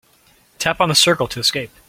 Tap on the circle to escape.